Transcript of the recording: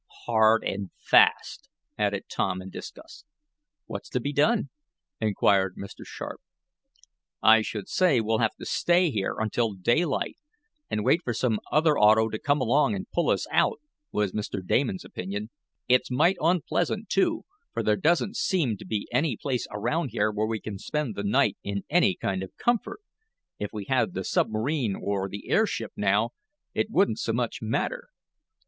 "Hard and fast," added Tom, in disgust. "What's to be done?" inquired Mr. Sharp. "I should say we'll have to stay here until daylight, and wait for some other auto to come along and pull us out," was Mr. Damon's opinion. "It's might unpleasant, too, for there doesn't seem to be any place around here where we can spend the night in any kind of comfort. If we had the submarine or the airship, now, it wouldn't so much matter."